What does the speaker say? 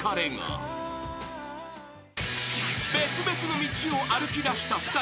［別々の道を歩きだした２人］